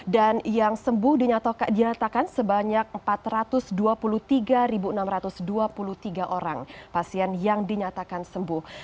dan yang sembuh dinyatakan sebanyak empat ratus dua puluh tiga enam ratus dua puluh tiga orang pasien yang dinyatakan sembuh